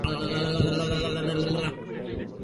এর পর ঢাকা কলেজ থেকে তিনি আইএসসি পাশ করেন।